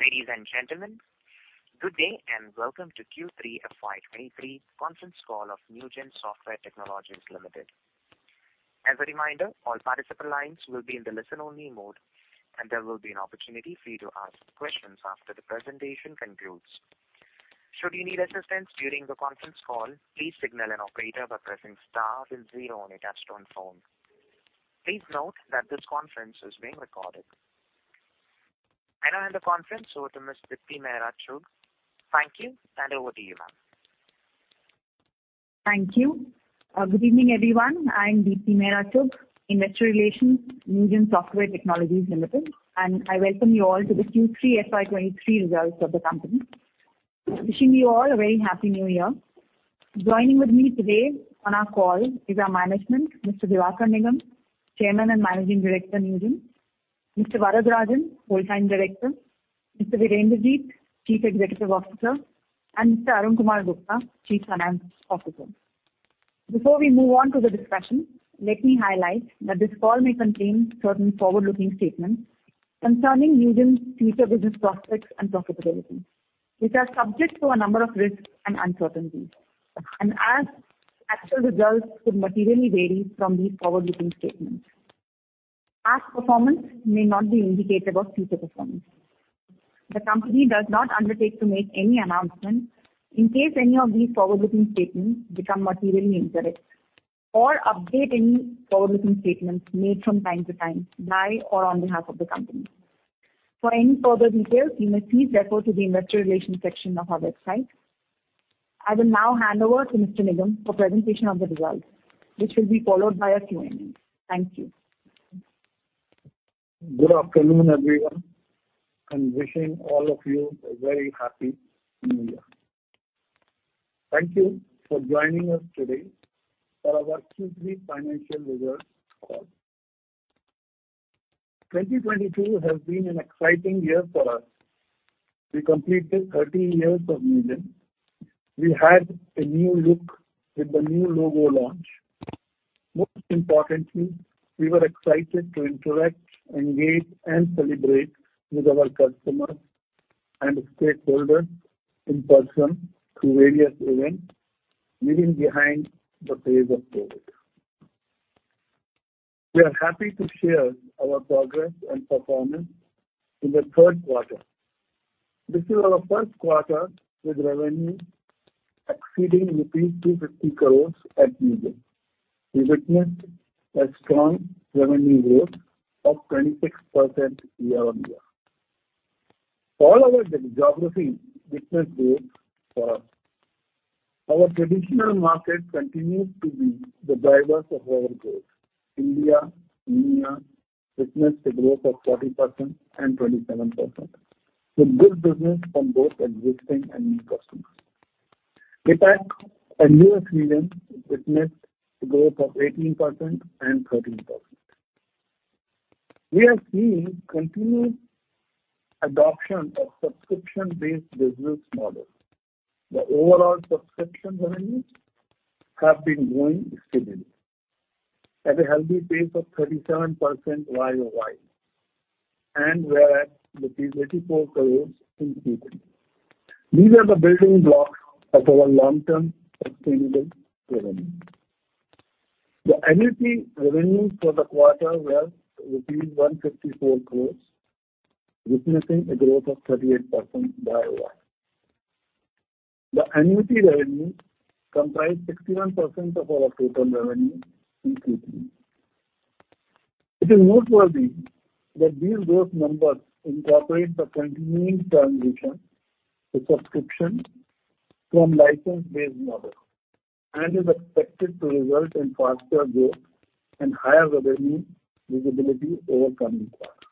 Ladies and gentlemen, good day and welcome to Q3 FY 2023 conference call of Newgen Software Technologies Limited. As a reminder, all participant lines will be in the listen-only mode, and there will be an opportunity for you to ask questions after the presentation concludes. Should you need assistance during the conference call, please signal an operator by pressing star then 0 on your touchtone phone. Please note that this conference is being recorded. I now hand the conference over to Ms. Deepti Mehra Chugh. Thank you, and over to you, ma'am. Thank you. Good evening, everyone. I'm Deepti Mehra Chugh, Investor Relations, Newgen Software Technologies Limited. I welcome you all to the Q3 FY 2023 results of the company. Wishing you all a very happy New Year. Joining with me today on our call is our management, Mr. Vivek Nigam, Chairman and Managing Director, Newgen, Mr. Varadarajan, Whole-time Director, Mr. Virender Jeet, Chief Executive Officer, and Mr. Arunkumar Gupta, Chief Financial Officer. Before we move on to the discussion, let me highlight that this call may contain certain forward-looking statements concerning Newgen's future business prospects and profitability, which are subject to a number of risks and uncertainties, and as actual results could materially vary from these forward-looking statements. Past performance may not be indicative of future performance. The company does not undertake to make any announcement in case any of these forward-looking statements become materially incorrect or update any forward-looking statements made from time to time by or on behalf of the company. For any further details, you must please refer to the investor relations section of our website. I will now hand over to Mr. Nigam for presentation of the results, which will be followed by a Q&A. Thank you. Good afternoon, everyone, and wishing all of you a very happy New Year. Thank you for joining us today for our Q3 financial results call. 2022 has been an exciting year for us. We completed 13 years of Newgen. We had a new look with the new logo launch. Most importantly, we were excited to interact, engage, and celebrate with our customers and stakeholders in person through various events, leaving behind the phase of COVID. We are happy to share our progress and performance in the third quarter. This is our first quarter with revenue exceeding rupees 250 crores at Newgen. We witnessed a strong revenue growth of 26% year-over-year. All our geographies witnessed growth for us. Our traditional market continues to be the drivers of our growth. India, EMEA witnessed a growth of 40% and 27%, with good business from both existing and new customers. APAC and US region witnessed a growth of 18% and 13%. We have seen continued adoption of subscription-based business model. The overall subscription revenues have been growing steadily at a healthy pace of 37% Y-o-Y and were 84 crores in Q3. These are the building blocks of our long-term sustainable revenue. The annuity revenues for the quarter were rupees 154 crores, witnessing a growth of 38% Y-o-Y. The annuity revenue comprised 61% of our total revenue in Q3. It is noteworthy that these growth numbers incorporate the continuing transition to subscription from license-based model and is expected to result in faster growth and higher revenue visibility over coming quarters.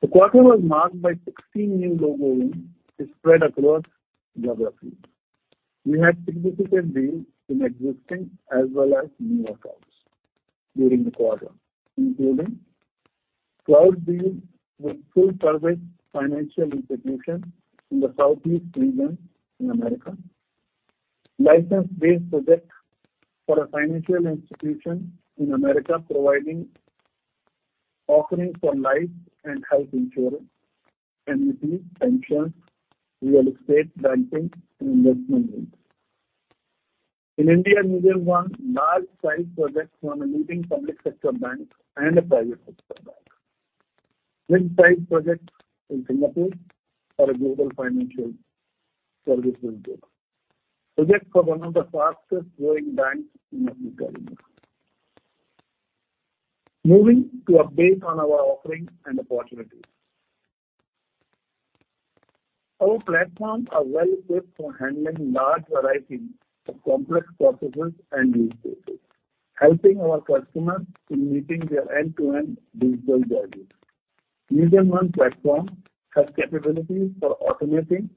The quarter was marked by 16 new logo wins spread across geographies. We had significant wins in existing as well as new accounts during the quarter, including cloud deal with full-service financial institution in the Southeast region in America, license-based project for a financial institution in America providing offerings for life and health insurance, annuity, pensions, real estate, banking, and investment needs. In India, Newgen won large-size projects from a leading public sector bank and a private sector bank. Mid-size projects in Philippines for a global financial services group. Project for one of the fastest-growing banks in Nepal. Moving to update on our offerings and opportunities. Our platforms are well equipped for handling large variety of complex processes and use cases, helping our customers in meeting their end-to-end digital journeys. NewgenONE platform has capabilities for automating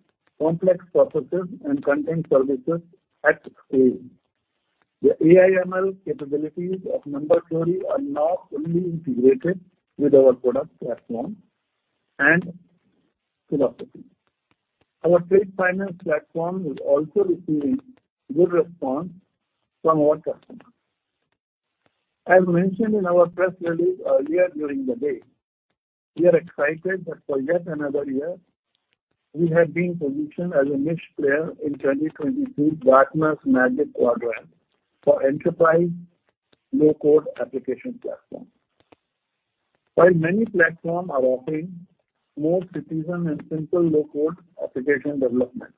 complex processes and content services at scale. The AI/ML capabilities of NumberQuery are now fully integrated with our product platform and philosophy. Our Trade Finance platform is also receiving good response from our customers. As mentioned in our press release earlier during the day, we are excited that for yet another year we have been positioned as a niche player in 2022 Gartner Magic Quadrant for enterprise low-code application platform. While many platforms are offering more citizen and simple low-code application development,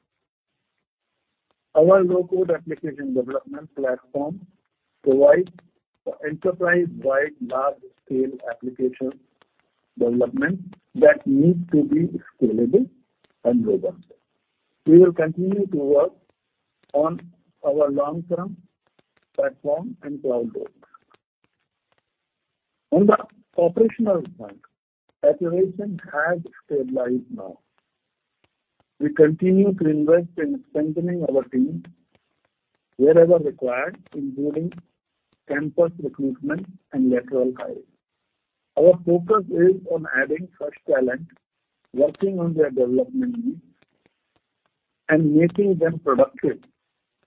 our low-code application development platform provides enterprise-wide large-scale application development that needs to be scalable and robust. We will continue to work on our long-term platform and cloud goals. On the operational front, attrition has stabilized now. We continue to invest in strengthening our team wherever required, including campus recruitment and lateral hire. Our focus is on adding fresh talent, working on their development needs, and making them productive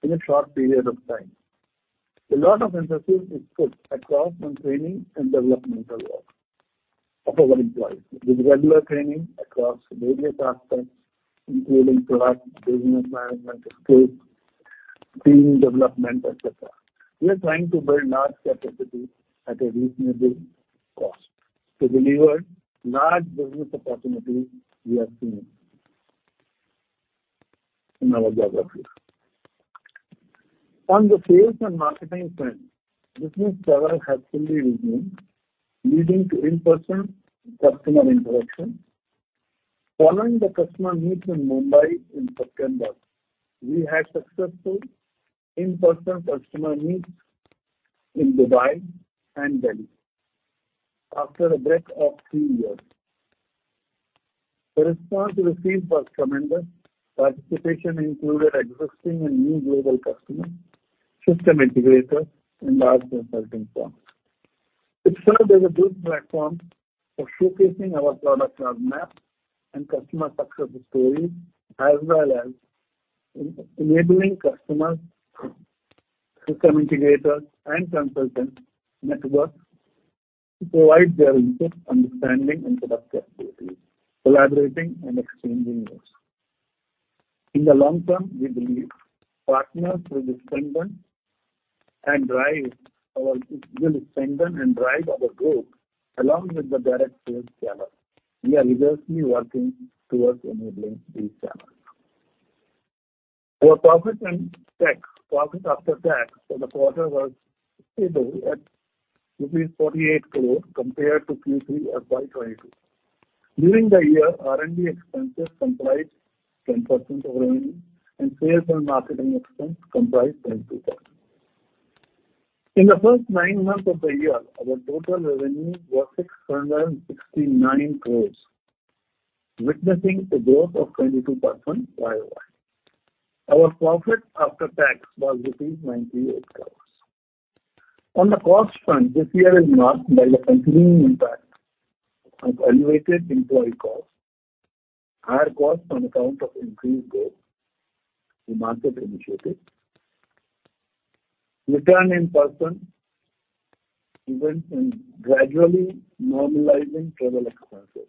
in a short period of time. A lot of emphasis is put across on training and developmental growth of our employees with regular training across various aspects, including product, business management skills, team development, et cetera. We are trying to build large capacity at a reasonable cost to deliver large business opportunities we are seeing in our geographies. On the sales and marketing front, business travel has fully resumed, leading to in-person customer interaction. Following the customer meet in Mumbai in September, we had successful in-person customer meets in Dubai and Delhi after a break of three years. The response received was tremendous. Participation included existing and new global customers, system integrators, and large consulting firms. It served as a good platform for showcasing our product roadmap and customer success stories, as well as enabling customers, system integrators, and consultant networks to provide their input, understanding, and product capabilities, collaborating and exchanging notes. In the long term, we believe partners will be strengthened and will strengthen and drive our growth along with the direct sales channel. We are rigorously working towards enabling these channels. For profit and tax, profit after tax for the quarter was stable at 48 crore compared to Q3 of FY 2022. During the year, R&D expenses comprised 10% of revenue, and sales and marketing expense comprised 22%. In the first nine months of the year, our total revenue was 669 crore, witnessing a growth of 22% year-over-year. Our profit after tax was rupees 98 crore. On the cost front, this year is marked by the continuing impact of elevated employee costs, higher costs on account of increased growth in market initiatives, return in-person events, and gradually normalizing travel expenses.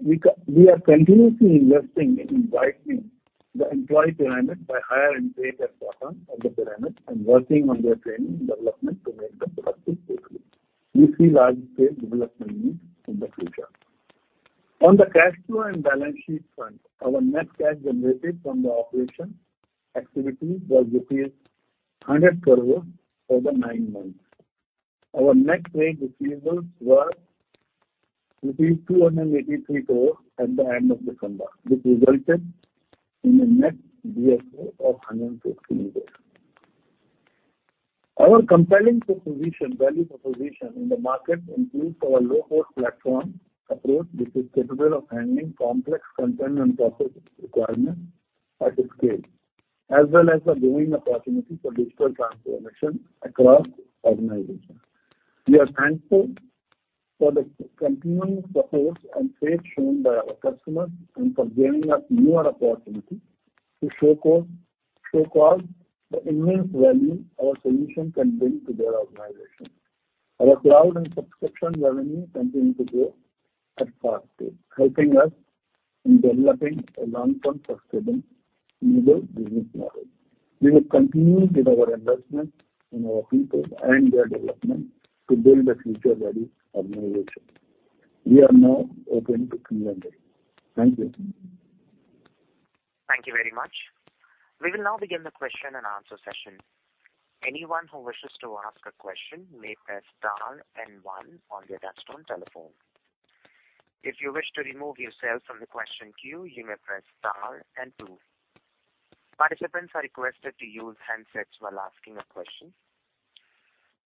We are continuously investing in widening the employee pyramid by hiring at the bottom of the pyramid and working on their training and development to make them productive quickly. We see large-scale development needs in the future. On the cash flow and balance sheet front, our net cash generated from the operation activity was 100 crore for the nine months. Our net trade receivables were 283 crore at the end of December, which resulted in a net DSO of 160 days. Our compelling proposition, value proposition in the market includes our low-code platform approach, which is capable of handling complex content and process requirements at scale, as well as the growing opportunity for digital transformation across organizations. We are thankful for the continuing support and faith shown by our customers and for giving us newer opportunities to showcause the immense value our solution can bring to their organization. Our cloud and subscription revenue continue to grow at faster, helping us in developing a long-term sustainable newer business model. We will continue with our investment in our people and their development to build a future-ready organization. We are now open to Q&A. Thank you. Thank you very much. We will now begin the question and answer session. Anyone who wishes to ask a question may press star one on their desktop telephone. If you wish to remove yourself from the question queue, you may press star two. Participants are requested to use handsets while asking a question.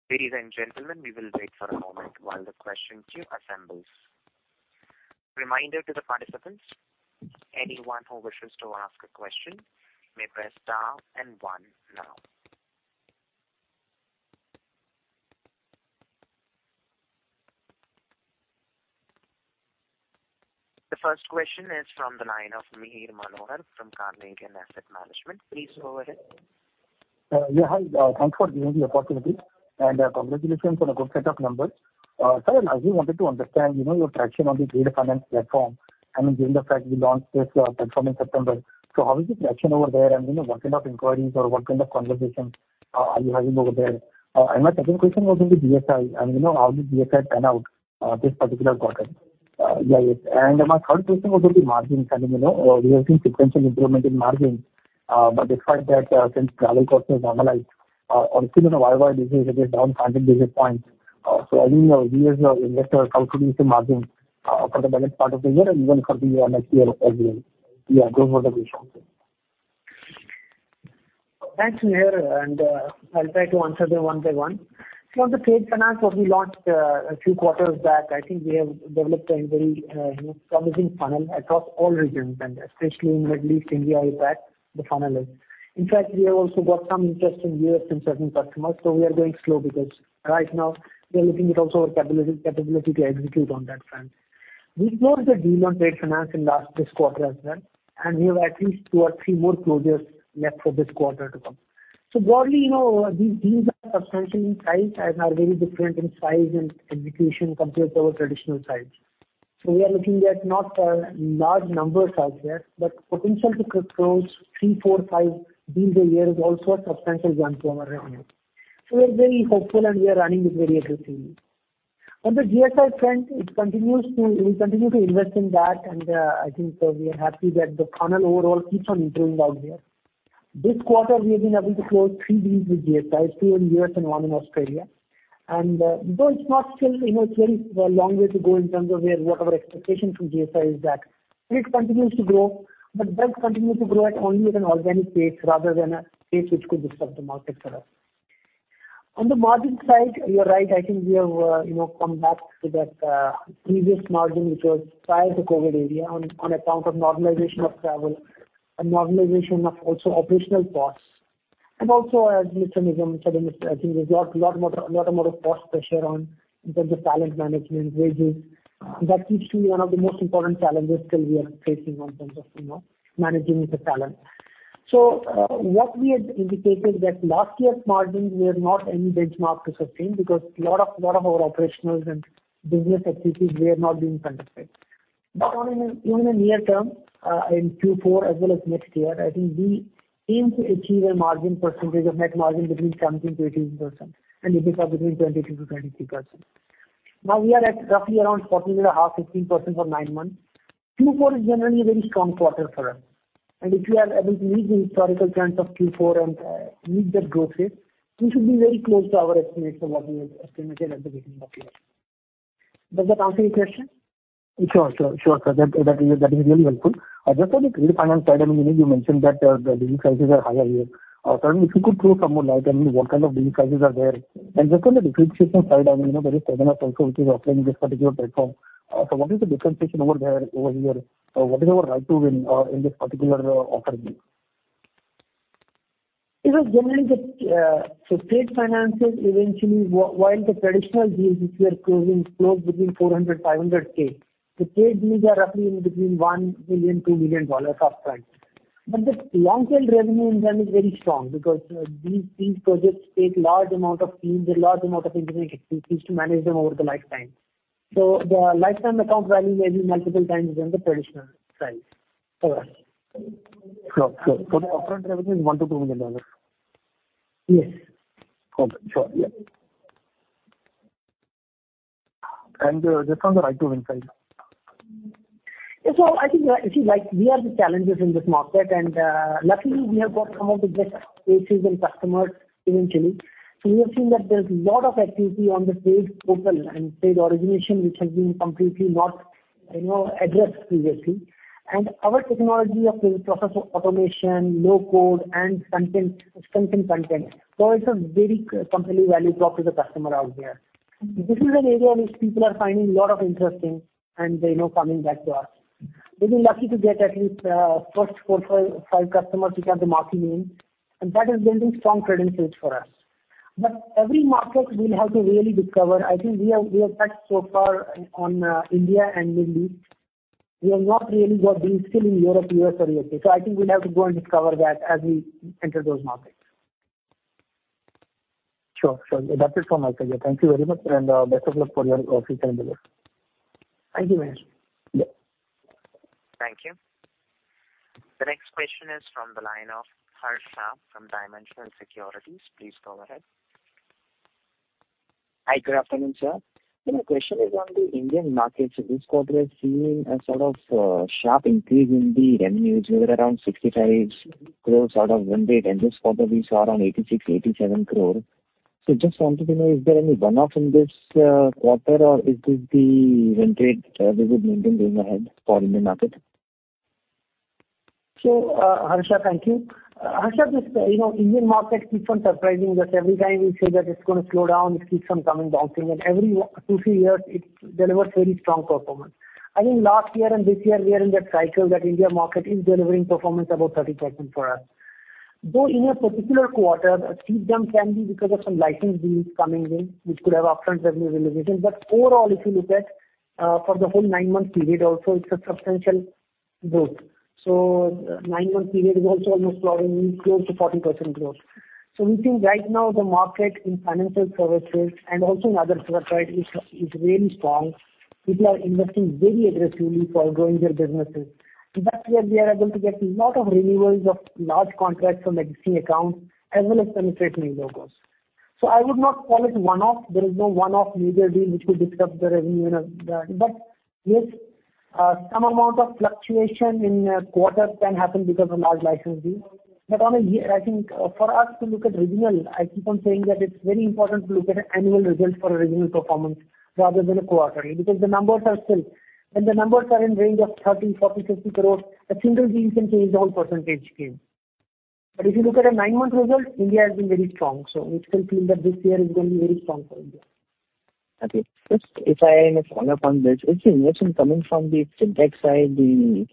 Ladies and gentlemen, we will wait for a moment while the question queue assembles. Reminder to the participants, anyone who wishes to ask a question may press star one now. The first question is from the line of Mihir Manohar from Carnelian Asset Management. Please go ahead. Hi. Thanks for giving the opportunity, and congratulations on a good set of numbers. Sir, I just wanted to understand, you know, your traction on the Trade Finance platform. I mean, given the fact you launched this platform in September. How is the traction over there, and, you know, what kind of inquiries or what kind of conversations are you having over there? My second question was on the GSI, and you know, how did GSI pan out this particular quarter? My third question was on the margin side. You know, we have seen sequential improvement in margin, but despite that, since travel costs have normalized, also the Y-o-Y this is, it is down 50 basis points. I think, you know, we as investors are concerned with the margin for the balance part of the year and even for the next year as well. Those were the three questions. Thanks, Mihir, and I'll try to answer them one by one. On the trade finance, what we launched a few quarters back, I think we have developed a very, you know, promising funnel across all regions, and especially in Middle East, India, APAC, the funnel is. We have also got some interest in U.S. from certain customers, so we are going slow because right now we are looking at also our capability to execute on that front. We closed a deal on trade finance in last this quarter as well, and we have at least two or three more closures left for this quarter to come. Broadly, you know, these deals are substantial in size and are very different in size and execution compared to our traditional size. We are looking at not large numbers out there, but potential to close three, four, five deals a year is also a substantial jump to our revenue. We're very hopeful, and we are running it very aggressively. On the GSI front, We'll continue to invest in that, and I think we are happy that the funnel overall keeps on improving out there. This quarter we have been able to close three deals with GSI, two in U.S. and one in Australia. Though it's not still, you know, it's very, a long way to go in terms of where what our expectation from GSI is that. It continues to grow, but does continue to grow at only at an organic pace rather than a pace which could disrupt the market for us. On the margin side, you're right. I think we have come back to that previous margin which was prior to COVID era on account of normalization of travel and normalization of also operational costs. As Mr. Nigam said in his presentation, there's lot more, lot of more cost pressure on in terms of talent management, wages. That is still one of the most important challenges still we are facing on terms of managing the talent. What we had indicated that last year's margins were not any benchmark to sustain because lot of our operationals and business activities were not being conducted. On a near term, in Q4 as well as next year, I think we aim to achieve a margin percentage of net margin between 17%-18% and EBITDA between 22%-23%. Now, we are at roughly around 14.5%, 15% for nine months. Q4 is generally a very strong quarter for us. If you are able to meet the historical trends of Q4 and meet that growth rate, we should be very close to our estimation, what we had estimated at the beginning of the year. Does that answer your question? Sure, sure. Sure, sir. That is really helpful. Just on the Trade Finance side, I mean, you know, you mentioned that the deal sizes are higher here. Sir, if you could throw some more light on what kind of deal sizes are there? Just on the differentiation side, I mean, you know, there is 7Up also which is offering this particular platform. What is the differentiation over there, over here? What is our right to win in this particular offering? Trade finances eventually while the traditional deals which we are closing close between $400,000-500,000. The trade deals are roughly in between $1-2 million of size. The long-term revenue engine is very strong because these projects take large amount of teams and large amount of engineering expertise to manage them over the lifetime. The lifetime account value may be multiple times than the traditional size for us. Sure. Sure. The upfront revenue is $1-2 million? Yes. Okay. Sure. Yeah. Just on the right to win side. I think, you see, like, we are the challengers in this market, luckily we have got some of the best cases and customers eventually. We have seen that there's lot of activity on the trade portal and trade origination, which has been completely not, you know, addressed previously. Our technology of process automation, low-code and content, strength in content. It's a very compelling value prop to the customer out there. This is an area which people are finding lot of interesting and, you know, coming back to us. We've been lucky to get at least first four, five customers which have the market name, and that is building strong credentials for us. Every market we'll have to really discover. I think we have bet so far on India and Middle East. We have not really got deals still in Europe, US or APAC. I think we'll have to go and discover that as we enter those markets. Sure. Sure. That's it from my side. Yeah. Thank you very much, and best of luck for your future endeavors. Thank you, Mihir. Yeah. Thank you. The next question is from the line of Harsh from Dimensional Securities. Please go ahead. Hi. Good afternoon, sir. My question is on the Indian markets. This quarter is seeing a sort of sharp increase in the revenues, where around 65 crore out of one rate, and this quarter we saw around 86-87 crore. Just wanted to know, is there any one-off in this quarter, or is this the run rate we would maintain going ahead for Indian market? Harsha, thank you. Harsha, this, you know, Indian market keeps on surprising us every time we say that it's gonna slow down. It keeps on coming bouncing, and every two, three years it delivers very strong performance. I think last year and this year we are in that cycle that India market is delivering performance above 30% for us. Though in a particular quarter, a steep jump can be because of some license deals coming in which could have upfront revenue realization. Overall, if you look at for the whole nine-month period also, it's a substantial growth. Nine-month period is also almost probably close to 40% growth. We think right now the market in financial services and also in other sectors is really strong. People are investing very aggressively for growing their businesses. In fact, we are able to get lot of renewals of large contracts from existing accounts as well as penetrate new logos. I would not call it one-off. There is no one-off major deal which will disrupt the revenue. Yes, some amount of fluctuation in a quarter can happen because of large license deals. On a year, I think for us to look at, I keep on saying that it's very important to look at annual results for a regional performance rather than a quarterly. When the numbers are in range of 30 crores, 40 crores, 50 crores, a single deal can change the whole percentage gain. If you look at a nine-month result, India has been very strong. We still feel that this year is going to be very strong for India. Okay. Just if I may follow up on this. Is the investment coming from the fintech side, the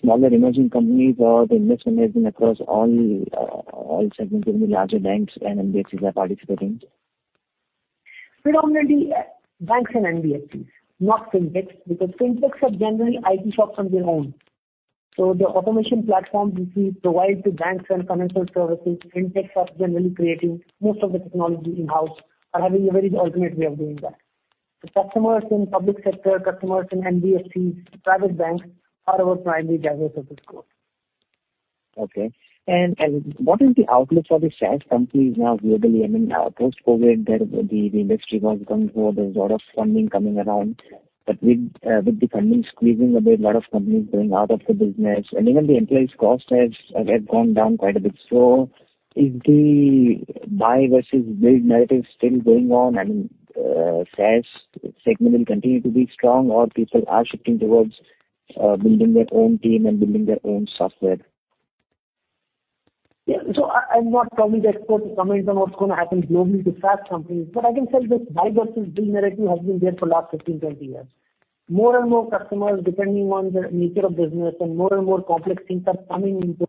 smaller emerging companies or the investment has been across all segments, I mean, larger banks and NBFCs are participating? Predominantly banks and NBFCs, not fintechs, because fintechs have generally IT shops of their own. The automation platforms which we provide to banks and financial services, fintechs are generally creating most of the technology in-house or having a very alternate way of doing that. The customers in public sector, customers in NBFCs, private banks are our primary drivers of this growth. Okay. What is the outlook for the SaaS companies now globally? I mean, now post-COVID the industry was going global. There's a lot of funding coming around. With the funding squeezing a bit, lot of companies going out of the business and even the employees' cost has gone down quite a bit. Is the buy versus build narrative still going on and SaaS segment will continue to be strong or people are shifting towards building their own team and building their own software? I'm not probably the expert to comment on what's gonna happen globally to SaaS companies. I can tell you this buy versus build narrative has been there for last 15, 20 years. More and more customers depending on the nature of business and more and more complex things are coming into,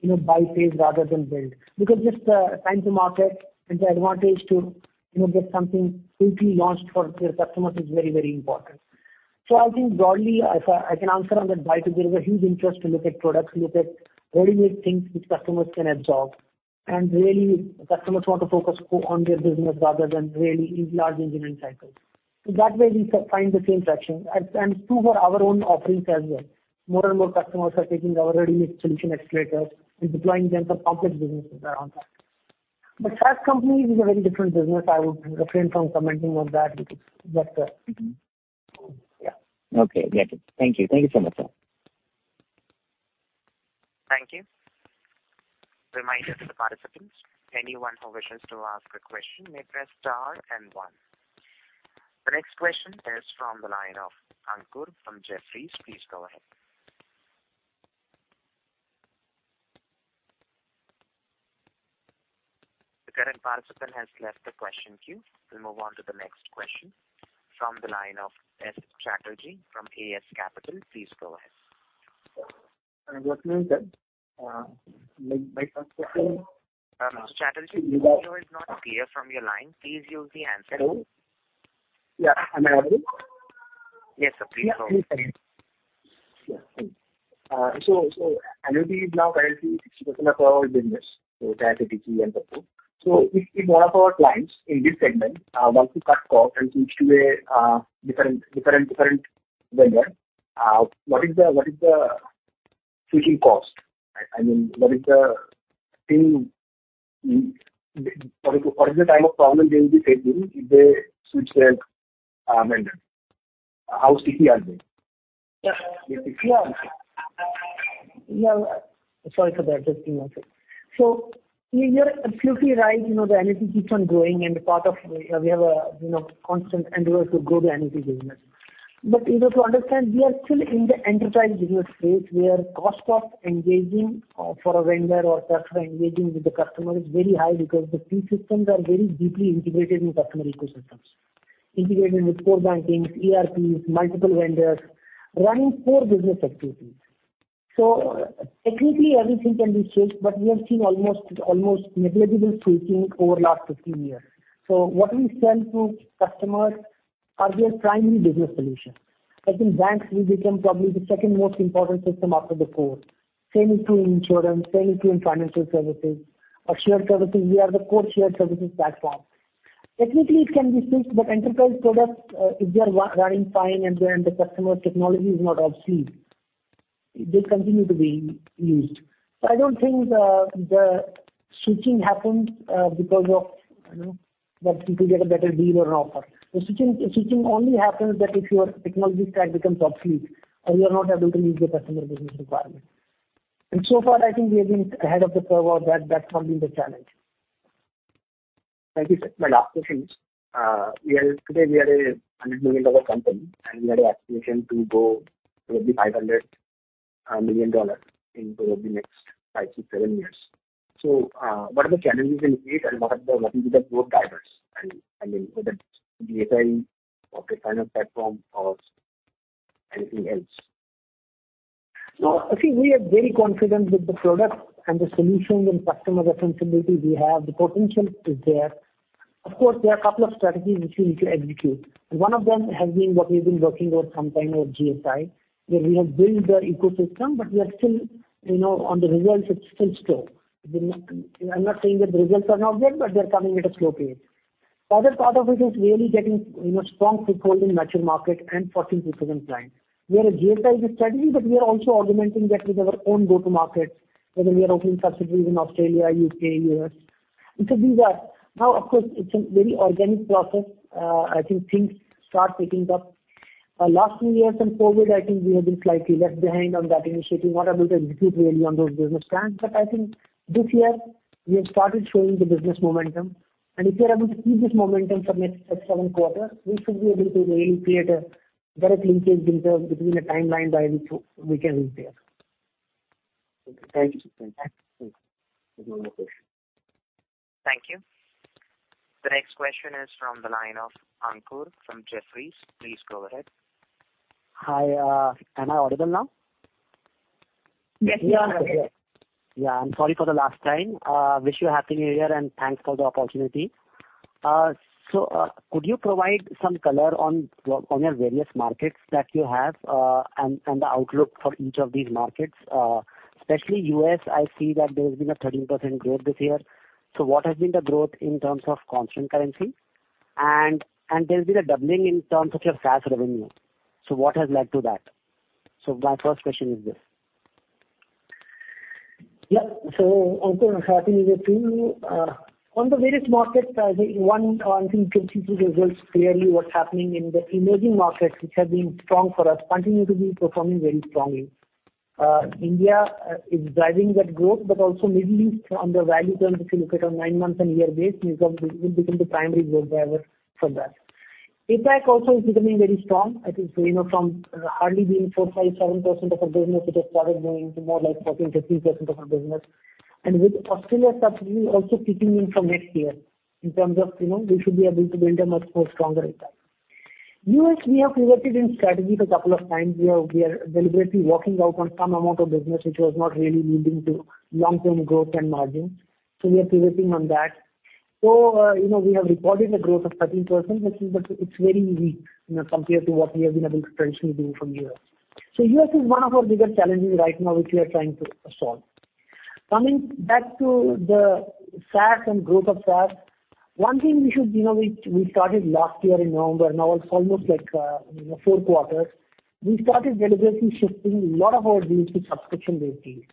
you know, buy phase rather than build. Because just time to market and the advantage to, you know, get something quickly launched for their customers is very, very important. I think broadly if I can answer on that buy to build, a huge interest to look at products, look at ready-made things which customers can absorb. Really customers want to focus on their business rather than really these large engineering cycles. That way we find the same traction. True for our own offerings as well. More and more customers are taking our ready-made solution accelerators and deploying them for complex businesses around that. SaaS companies is a very different business. I would refrain from commenting on that because that. Yeah. Okay. Got it. Thank you. Thank you so much, sir. Thank you. Reminder to the participants, anyone who wishes to ask a question may press star and 1. The next question is from the line of Ankur from Jefferies. Please go ahead. The current participant has left the question queue. We'll move on to the next question from the line of S. Chatterjee from ASK Capital. Please go ahead. Good afternoon, sir. My first question. Mr. Chatterjee, your audio is not clear from your line. Please use the handset. Hello? Yeah. Am I audible? Yes, sir. Please go ahead. Yeah. Thank you. So annuity is now currently 60% of our business. That's a good thing and so forth. If one of our clients in this segment wants to cut cost and switch to a different vendor, what is the switching cost? I mean, what is the type of problem they will be facing if they switch their vendor? How sticky are they? Yeah. Sorry for the echo. You're absolutely right. You know, the annuity keeps on growing and part of we have a, you know, constant endeavor to grow the annuity business. You know, to understand, we are still in the enterprise business space where cost of engaging for a vendor or cost of engaging with the customer is very high because the fee systems are very deeply integrated in customer ecosystems. Integrated with core banking, ERPs, multiple vendors running core business activities. Technically everything can be switched, but we have seen almost negligible switching over last 15 years. What we sell to customers are their primary business solutions. Like in banks, we become probably the second most important system after the core. Same is true in insurance, same is true in financial services or shared services. We are the core shared services platform. Technically it can be switched, but enterprise products, if they are running fine and the customer technology is not obsolete, they'll continue to be used. I don't think the switching happens, because of, you know, that people get a better deal or an offer. The switching only happens that if your technology stack becomes obsolete or you're not able to meet the customer business requirement. So far, I think we have been ahead of the curve on that. That's not been the challenge. Thank you, sir. My last question is, today we are a $100 million company. We have an aspiration to go probably $500 million in probably next five to seven years. What are the challenges in it and what will be the growth drivers? I mean, whether it's the API or the final platform or Anything else? I think we are very confident with the product and the solutions and customer responsibility we have. The potential is there. Of course, there are a couple of strategies which we need to execute, and one of them has been what we've been working on some time with GSI, where we have built the ecosystem, but we are still, you know, on the results it's still slow. I'm not saying that the results are not there, but they're coming at a slow pace. The other part of it is really getting, you know, strong foothold in mature market and 14% clients, where GSI is a strategy, but we are also augmenting that with our own go-to-market, whether we are opening subsidiaries in Australia, U.K., U.S. Of course, it's a very organic process. I think things start picking up. Last two years and COVID, I think we have been slightly left behind on that initiative. We're not able to execute really on those business plans. I think this year we have started showing the business momentum, and if we are able to keep this momentum for next seven quarters, we should be able to really create a direct linkage in terms between the timeline by which we can reach there. Thank you. Thanks. There's no more questions. Thank you. The next question is from the line of Ankur from Jefferies. Please go ahead. Hi. Am I audible now? Yes, we are. Yeah, I'm sorry for the last time. Wish you a Happy New Year, and thanks for the opportunity. Could you provide some color on your various markets that you have, and the outlook for each of these markets? Especially U.S., I see that there's been a 13% growth this year. What has been the growth in terms of constant currency? There's been a doubling in terms of your SaaS revenue. What has led to that? My first question is this. Ankur, Happy New Year to you. On the various markets, one, I think 22 results clearly what's happening in the emerging markets, which have been strong for us, continue to be performing very strongly. India is driving that growth, but also Middle East on the value terms, if you look at on nine months and year base, may become the primary growth driver for that. APAC also is becoming very strong. I think, you know, from hardly being 4%, 5%, 7% of our business, it has started growing to more like 14%, 15% of our business. With Australia subsidy also kicking in from next year in terms of, you know, we should be able to build a much more stronger impact. US, we have pivoted in strategy for a couple of times. We are deliberately walking out on some amount of business which was not really leading to long-term growth and margins. We are pivoting on that. You know, we have recorded a growth of 13%, which is but it's very weak, you know, compared to what we have been able to traditionally do from U.S. U.S. is one of our bigger challenges right now, which we are trying to solve. Coming back to the SaaS and growth of SaaS, one thing we should, you know, we started last year in November. Now it's almost like, you know, four quarters. We started deliberately shifting a lot of our deals to subscription-based deals.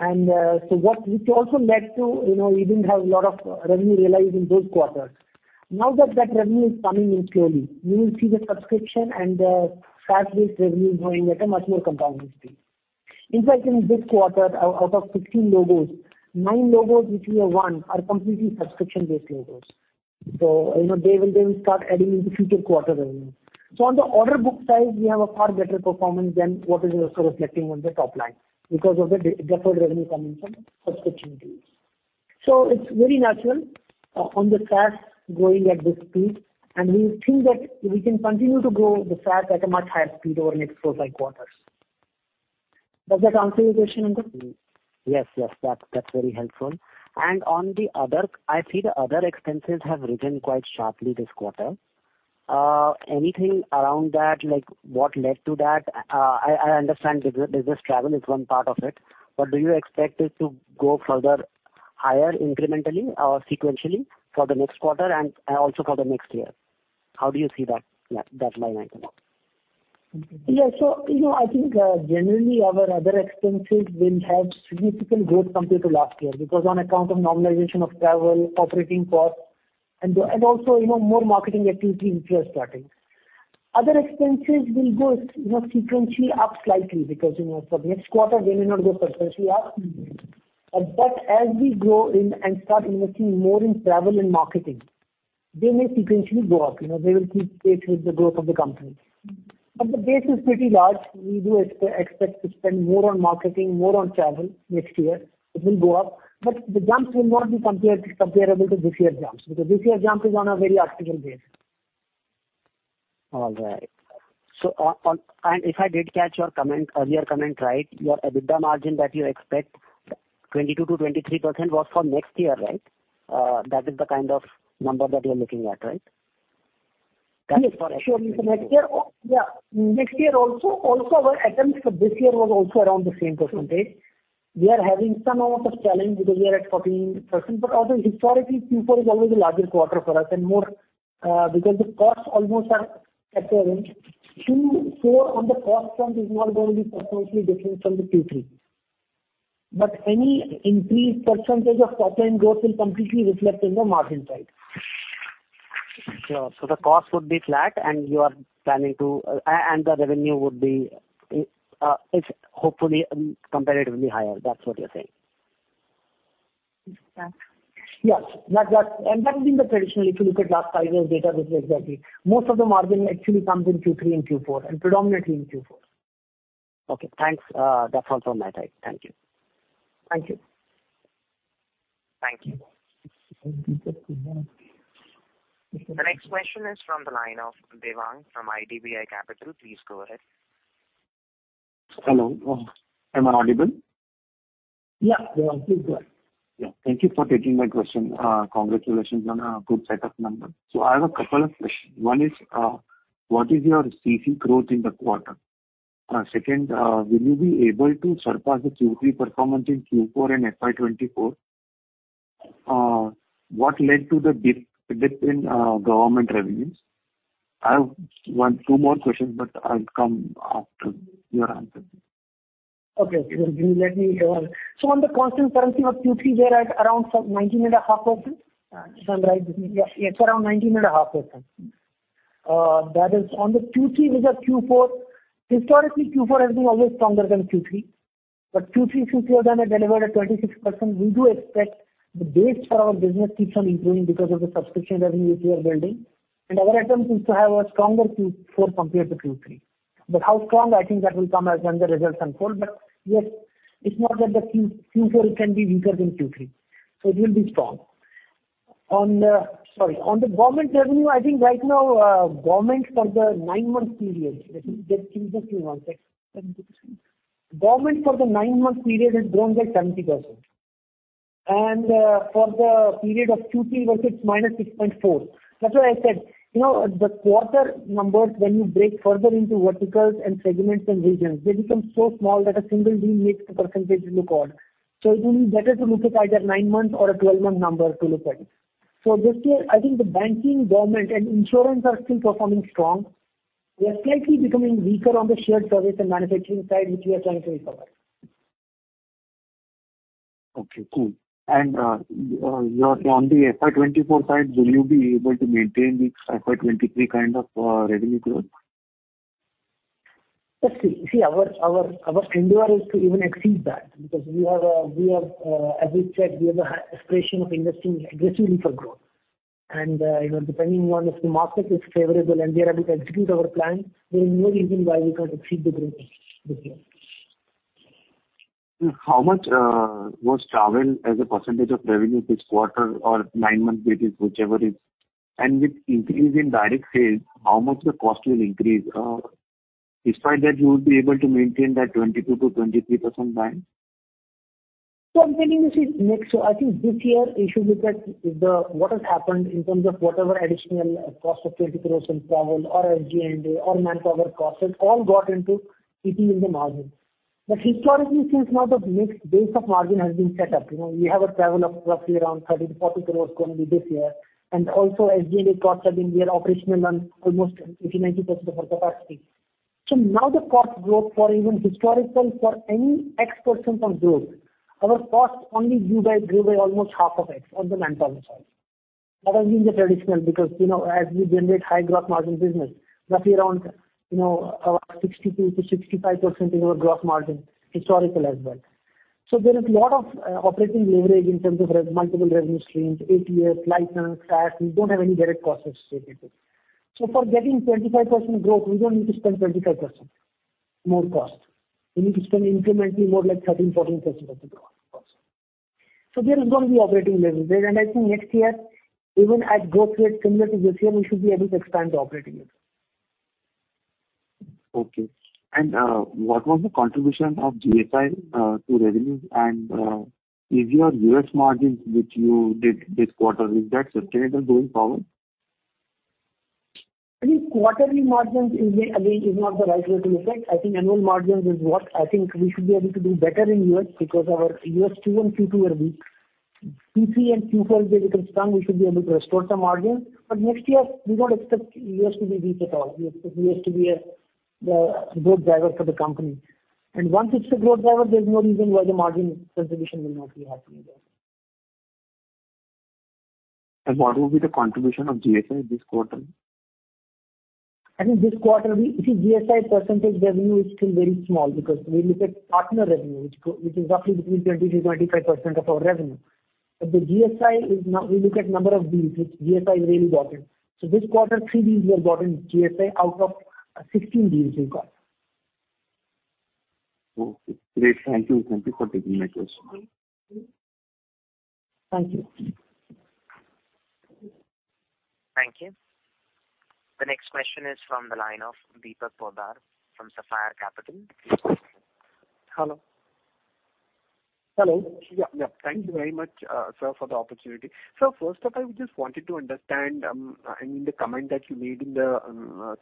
Which also led to, you know, we didn't have a lot of revenue realized in those quarters. Now that revenue is coming in slowly, we will see the subscription and the SaaS-based revenue growing at a much more compounding speed. In fact, in this quarter, out of 15 logos, nine logos which we have won are completely subscription-based logos. You know, they will start adding into future quarter revenue. On the order book size, we have a far better performance than what is also reflecting on the top line because of the deferred revenue coming from subscription deals. It's very natural on the SaaS growing at this speed, and we think that we can continue to grow the SaaS at a much higher speed over next four, five quarters. Does that answer your question, Ankur? Yes. Yes. That's very helpful. I see the other expenses have risen quite sharply this quarter. Anything around that, like what led to that? I understand business travel is one part of it, but do you expect it to go further higher incrementally or sequentially for the next quarter and also for the next year? How do you see that line item up? You know, I think, generally our other expenses will have significant growth compared to last year because on account of normalization of travel, operating costs and also, you know, more marketing activity which we are starting. Other expenses will go, you know, sequentially up slightly because, you know, for the next quarter they may not go sequentially up. But as we grow in and start investing more in travel and marketing, they may sequentially go up. You know, they will keep pace with the growth of the company. The base is pretty large. We do expect to spend more on marketing, more on travel next year. It will go up, but the jumps will not be comparable to this year jumps, because this year jump is on a very artificial base. All right. And if I did catch your comment, earlier comment, right, your EBITDA margin that you expect 22%-23% was for next year, right? That is the kind of number that you're looking at, right? That is for next year. Yes, sure. It's for next year. Oh, yeah. Next year also. Also our attempts for this year was also around the same percentage. We are having some amount of challenge because we are at 14%. Also historically, Q4 is always the largest quarter for us and more, because the costs almost are equivalent. Q4 on the cost front is not going to be substantially different from the Q3. Any increased percentage of top line growth will completely reflect in the margin side. Sure. The cost would be flat and the revenue would be, it's hopefully comparatively higher. That's what you're saying. Yes. That has been the traditional, if you look at last five years' data, this is exactly. Most of the margin actually comes in Q3 and Q4, and predominantly in Q4. Okay. Thanks. That's all from my side. Thank you. Thank you. The next question is from the line of Devang from IDBI Capital. Please go ahead. Hello. Am I audible? Yeah, yeah. Please go ahead. Yeah. Thank you for taking my question. Congratulations on a good set of numbers. I have a couple of questions. One is, what is your CC growth in the quarter? Second, will you be able to surpass the Q3 performance in Q4 in FY 2024? What led to the dip in government revenues? I have two more questions, but I'll come after your answers. Okay. Let me. On the constant currency of Q3, we are at around some 19.5%. Sound right to me? Yeah, it's around 19.5%. That is on the Q3 result. Q4. Historically, Q4 has been always stronger than Q3. Q3 we have delivered at 26%. We do expect the base for our business keeps on improving because of the subscription revenue we are building. Our attempt is to have a stronger Q4 compared to Q3. How strong, I think that will come as when the results unfold. Yes, it's not that the Q4 can be weaker than Q3, so it will be strong. Sorry. On the government revenue, I think right now, government for the nine-month period, let me just give you context. Government for the nine-month period has grown by 70%. For the period of Q3 versus -6.4%. That's why I said, you know, the quarter numbers, when you break further into verticals and segments and regions, they become so small that a single deal makes the percentage look odd. It will be better to look at either nine-month or a 12-month number to look at it. This year, I think the banking, government, and insurance are still performing strong. We are slightly becoming weaker on the shared service and manufacturing side, which we are trying to recover. Okay, cool. On the FY 2024 side, will you be able to maintain the FY 2023 kind of, revenue growth? Let's see. Our endeavor is to even exceed that because we have, as we said, we have a high aspiration of investing aggressively for growth. You know, depending on if the market is favorable and we are able to execute our plan, there is no reason why we can't exceed the growth this year. How much was travel as a % of revenue this quarter or nine-month basis, whichever is. With increase in direct sales, how much the cost will increase? Despite that, you would be able to maintain that 22%-23% band? I'm telling you, I think this year you should look at what has happened in terms of whatever additional cost of 20% travel or SG&A or manpower costs. It all got into hitting in the margin. Historically, since now the mix base of margin has been set up, you know, we have a travel of roughly around 30-40 crores going to be this year. Also SG&A costs have been near operational and almost 80%, 90% of our capacity. Now the cost growth for even historical, for any X% of growth, our costs only grew by almost half of X on the manpower side. That has been the traditional because, you know, as we generate high gross margin business, roughly around, you know, 62%-65% in our gross margin historical as well. There is lot of operating leverage in terms of multiple revenue streams, ATS, license, tax. We don't have any direct costs associated to it. For getting 25% growth, we don't need to spend 25% more cost. We need to spend incrementally more like 13%, 14% of the gross cost. There is gonna be operating leverage there. I think next year, even at growth rate similar to this year, we should be able to expand the operating leverage. Okay. What was the contribution of GSI to revenues? Is your US margins which you did this quarter, is that sustainable going forward? I think quarterly margins is not the right way to look at. I think annual margins is what I think we should be able to do better in U.S. because our U.S. Q1, Q2 were weak. Q3 and Q4 they become strong. We should be able to restore some margins. Next year we don't expect U.S. to be weak at all. We expect U.S. to be the growth driver for the company. Once it's a growth driver, there's no reason why the margin contribution will not be happening there. What will be the contribution of GSI this quarter? I think this quarter you see GSI % revenue is still very small because we look at partner revenue which is roughly between 20%-25% of our revenue. The GSI is now we look at number of deals which GSI really got in. This quarter, three deals we have got in GSI out of 16 deals in total. Okay, great. Thank you. Thank you for taking my question. Thank you. Thank you. The next question is from the line of Deepak Poddar from Sapphire Capital. Please go ahead. Hello. Hello. Yeah, yeah. Thank you very much, sir, for the opportunity. Sir, first up, I would just wanted to understand, I mean, the comment that you made in the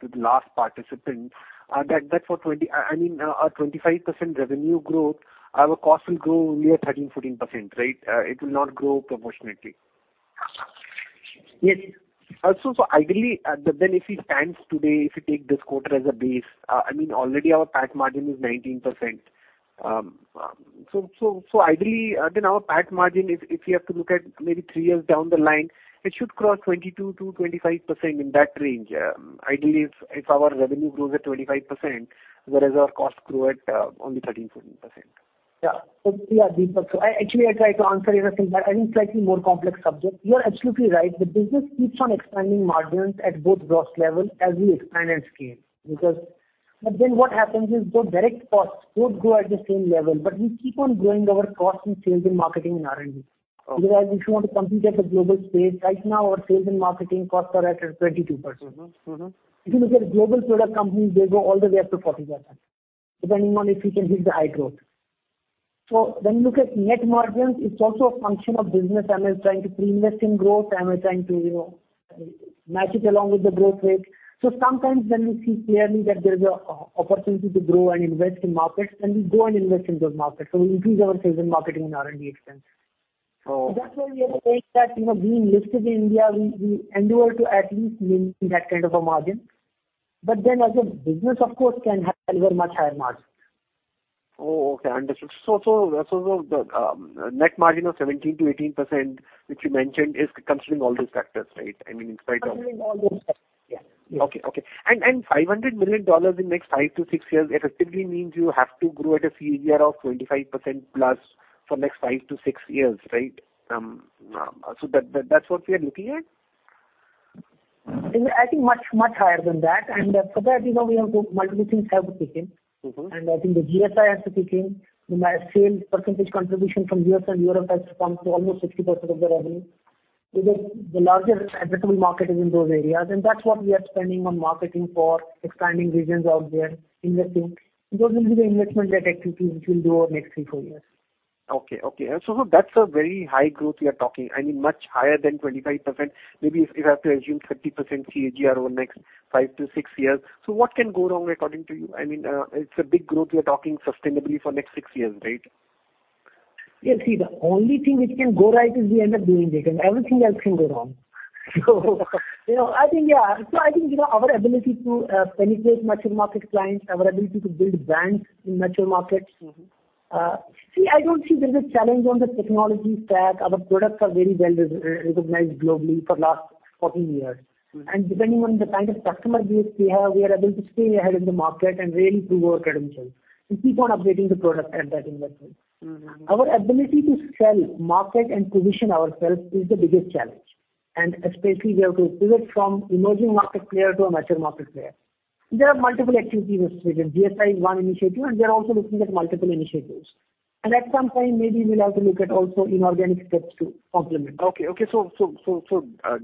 to the last participant, that I mean, a 25% revenue growth, our cost will grow only at 13%, 14%, right? It will not grow proportionately. Yes. Ideally, then if it stands today, if you take this quarter as a base, I mean already our PAT margin is 19%. Ideally, then our PAT margin if you have to look at maybe three years down the line, it should cross 22%-25% in that range. Ideally if our revenue grows at 25% whereas our costs grow at only 13%-14%. Yeah. Yeah, Deepak. Actually I tried to answer your question, but I think slightly more complex subject. You are absolutely right. The business keeps on expanding margins at both gross level as we expand and scale. What happens is the direct costs would grow at the same level, but we keep on growing our cost in sales and marketing and R&D. Okay. If you want to compete at the global space, right now our sales and marketing costs are at 22%. Mm-hmm. Mm-hmm. If you look at global product companies, they go all the way up to 40%, depending on if you can hit the high growth. When you look at net margins, it's also a function of business. Am I trying to pre-invest in growth? Am I trying to, you know, match it along with the growth rate? Sometimes when we see clearly that there is a opportunity to grow and invest in markets, then we go and invest in those markets. We increase our sales and marketing and R&D expense. That's why we have a saying that, you know, being listed in India, we endure to at least maintain that kind of a margin. As a business, of course, can have a much higher margin. Oh, okay. Understood. The net margin of 17%-18% which you mentioned is considering all those factors, right? I mean, in spite of- Considering all those factors, yeah. Yeah. Okay. Okay. $500 million in next five to six years effectively means you have to grow at a CAGR of 25% plus for next five to six years, right? That's what we are looking at? I think much, much higher than that. For that, you know, multiple things have to kick in. Mm-hmm. I think the GSI has to kick in. You know, our sales percentage contribution from US and Europe has to come to almost 50% of the revenue. The largest addressable market is in those areas, and that's what we are spending on marketing for expanding regions out there, investing. Those will be the investment-led activities which we'll do over next three, four years. Okay. Okay. That's a very high growth we are talking. I mean, much higher than 25%. Maybe if you have to assume 50% CAGR over the next five to six years. What can go wrong according to you? I mean, it's a big growth we are talking sustainably for next six years, right? Yeah. See, the only thing which can go right is we end up doing this. Everything else can go wrong. You know, I think, yeah. I think, you know, our ability to penetrate mature market clients, our ability to build brands in mature markets. Mm-hmm. See, I don't see there's a challenge on the technology stack. Our products are very well re-recognized globally for last 14 years. Mm-hmm. Depending on the kind of customer base we have, we are able to stay ahead in the market and really prove our credentials and keep on updating the product at that inflection. Mm-hmm. Our ability to sell, market and position ourselves is the biggest challenge. Especially we have to pivot from emerging market player to a mature market player. There are multiple activities associated. GSI is one initiative, and we are also looking at multiple initiatives. At some time, maybe we'll have to look at also inorganic steps to complement. Okay. Okay.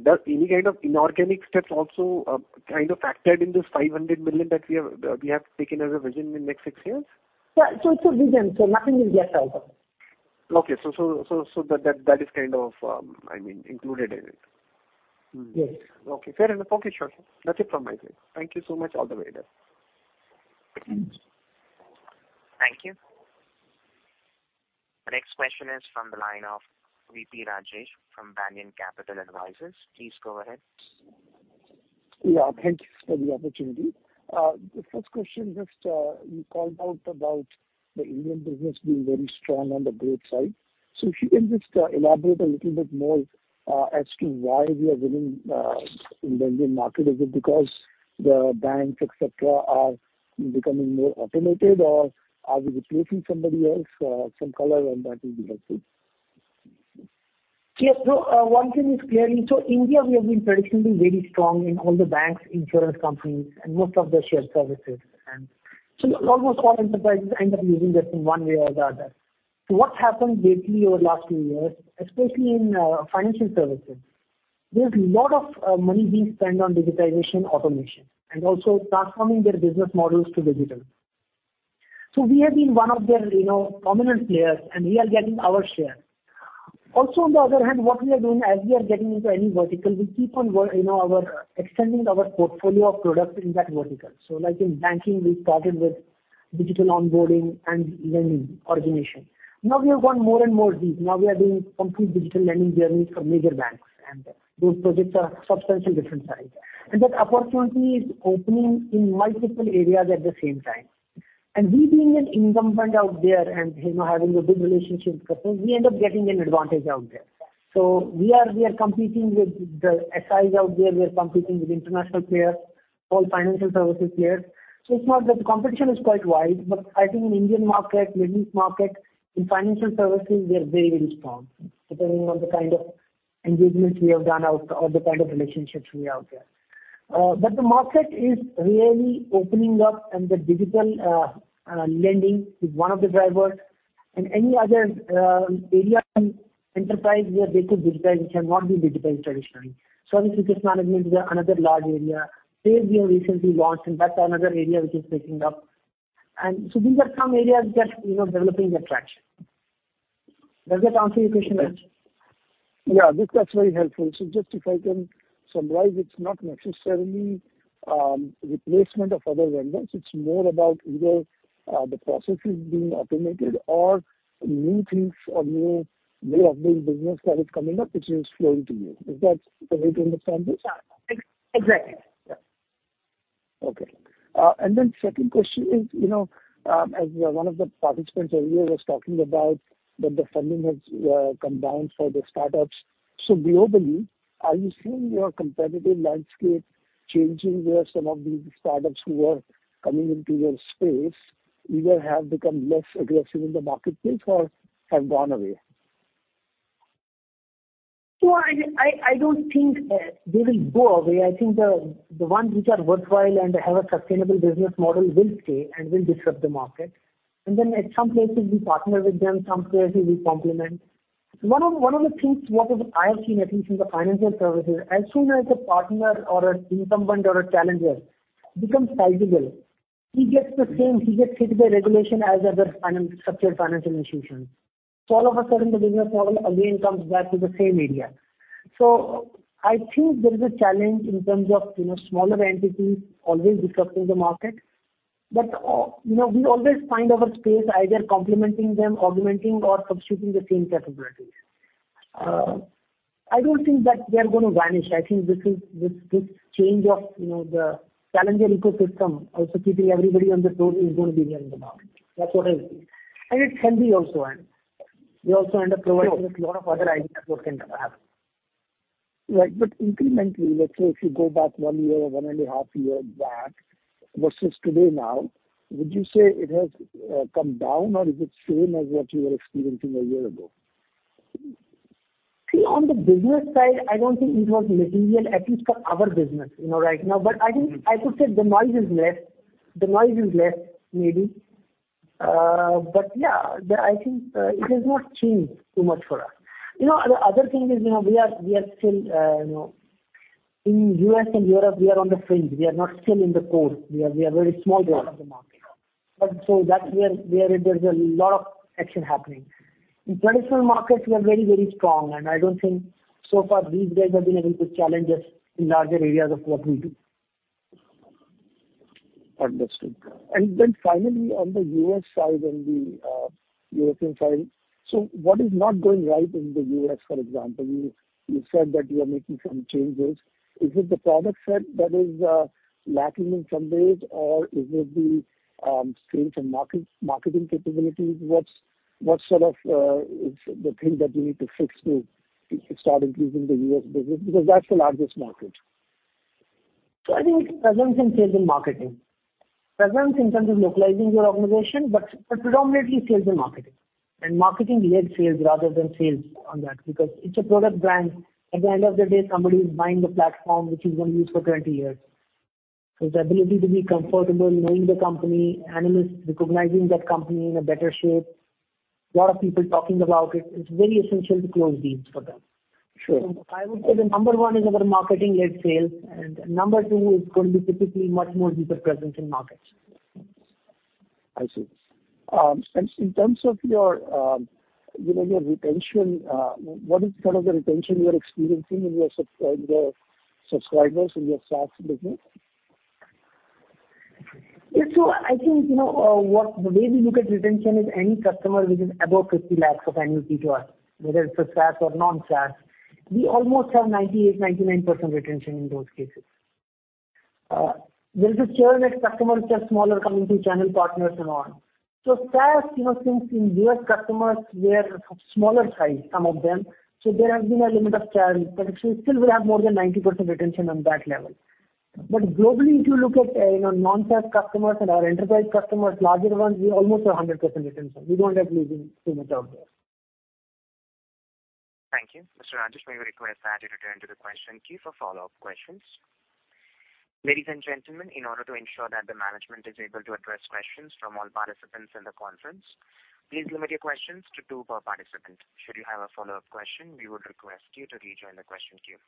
Does any kind of inorganic steps also, kind of factored in this $500 million that we have taken as a vision in next six years? Yeah. It's a vision, so nothing is yet final. Okay. That is kind of, I mean, included in it. Yes. Okay. Fair enough. Okay. Sure. That's it from my side. Thank you so much all the way there. Mm-hmm. Thank you. The next question is from the line of V.P. Rajesh from Banyan Capital Advisors. Please go ahead. Yeah. Thank you for the opportunity. The first question, just, you called out about the Indian business being very strong on the growth side. If you can just elaborate a little bit more, as to why we are winning, in the Indian market? Is it because the banks, et cetera, are becoming more automated, or are we replacing somebody else? Some color on that would be helpful. Yes. One thing is clearly... India, we have been traditionally very strong in all the banks, insurance companies and most of the shared services. Almost all enterprises end up using this in one way or the other. What's happened lately over last few years, especially in financial services, there's lot of money being spent on digitization, automation, and also transforming their business models to digital. We have been one of their, you know, prominent players, and we are getting our share. On the other hand, what we are doing as we are getting into any vertical, we keep on, you know, extending our portfolio of products in that vertical. Like in banking, we started with digital onboarding and lending origination. Now we have gone more and more deep. Now we are doing complete digital lending journeys for major banks. Those projects are substantial different size. That opportunity is opening in multiple areas at the same time. We being an incumbent out there and, you know, having the good relationships with customers, we end up getting an advantage out there. We are competing with the SIs out there. We are competing with international players, all financial services players. It's not that the competition is quite wide, but I think in Indian market, Middle East market, in financial services, we are very, very strong, depending on the kind of engagements we have done out or the kind of relationships we have there. The market is really opening up, and the digital lending is one of the drivers. Any other, area in enterprise where they could digitize which have not been digitized traditionally. Service request management is another large area. Pay we have recently launched, and that's another area which is picking up. So these are some areas that, you know, developing their traction. Does that answer your question, Rajesh? Yeah. Yeah. That's very helpful. Just if I can summarize, it's not necessarily replacement of other vendors. It's more about either the processes being automated or new things or new way of doing business that is coming up which is flowing to you. Is that the way to understand this? Yeah. Exactly. Yeah. Second question is, you know, as one of the participants earlier was talking about that the funding has come down for the startups. Globally, are you seeing your competitive landscape changing, where some of these startups who are coming into your space either have become less aggressive in the marketplace or have gone away? No, I don't think they will go away. I think the ones which are worthwhile and have a sustainable business model will stay and will disrupt the market. Then at some places we partner with them, some places we complement. One of the things what I have seen at least in the financial services, as soon as a partner or an incumbent or a challenger becomes sizable, he gets the same. He gets hit by regulation as other structured financial institutions. All of a sudden the business model again comes back to the same area. I think there is a challenge in terms of, you know, smaller entities always disrupting the market. You know, we always find our space either complementing them, augmenting or substituting the same capabilities. I don't think that they're gonna vanish. I think this is this change of, you know, the challenger ecosystem also keeping everybody on their toes is gonna be here to stay. That's what I think. It's healthy also, and we also end up providing a lot of other ideas what can come up. Right. Incrementally, let's say if you go back one year or one and a half year back versus today now, would you say it has come down or is it same as what you were experiencing one year ago? See, on the business side, I don't think it was material at least for our business, you know, right now. I think I could say the noise is less. The noise is less maybe. Yeah, I think it has not changed too much for us. You know, the other thing is, you know, we are still, you know, in US and Europe, we are on the fringe. We are not still in the core. We are very small player in the market. That's where there's a lot of action happening. In traditional markets, we are very, very strong, and I don't think so far these guys have been able to challenge us in larger areas of what we do. Understood. Finally, on the U.S. side and the European side, what is not going right in the U.S., for example? You said that you are making some changes. Is it the product set that is lacking in some ways or is it the sales and marketing capabilities? What's, what sort of is the thing that you need to fix to start increasing the U.S. business? Because that's the largest market. I think presence and sales and marketing. Presence in terms of localizing your organization, but predominantly sales and marketing. Marketing-led sales rather than sales on that because it's a product brand. At the end of the day, somebody is buying the platform which he's gonna use for 20 years. His ability to be comfortable knowing the company, analysts recognizing that company in a better shape, lot of people talking about it's very essential to close deals for them. Sure. I would say the number one is our marketing-led sales and number two is going to be typically much more deeper presence in markets. I see. In terms of your, you know, your retention, what is kind of the retention you are experiencing in your subscribers in your SaaS business? Yeah. I think, you know, the way we look at retention is any customer which is above 50 lakhs of annual PTOI, whether it's a SaaS or non-SaaS, we almost have 98%-99% retention in those cases. There's a churn as customers turn smaller coming through channel partners and on. SaaS, you know, since in US customers were of smaller size, some of them, there has been a limit of churn, but actually still we have more than 90% retention on that level. Globally, if you look at, you know, non-SaaS customers and our enterprise customers, larger ones, we almost have 100% retention. We don't have losing too much out there. Thank you. Mr. Rajesh, may we request that you return to the question queue for follow-up questions. Ladies and gentlemen, in order to ensure that the management is able to address questions from all participants in the conference, please limit your questions to two per participant. Should you have a follow-up question, we would request you to rejoin the question queue.